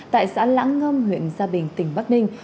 tại xã lãng ngâm huyện gia bình tỉnh bắc ninh